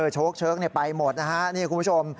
โชคเชิกไปหมดนะฮะนี่คุณผู้ชม